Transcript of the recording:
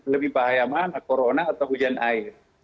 lebih bahaya mana corona atau hujan air